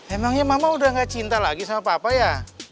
emangnya mama udah gak cinta lagi sama papa ya